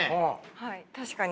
はい確かに。